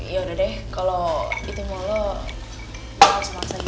yaudah deh kalau itu mau lo gue harus malas lagi juga